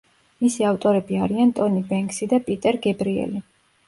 მისი ავტორები არიან ტონი ბენქსი და პიტერ გებრიელი.